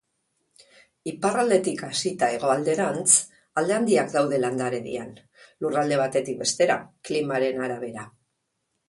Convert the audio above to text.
Iparraldetik hasita hegoalderantz, alde handiak daude landaredian, lurralde batetik bestera, klimaren arabera.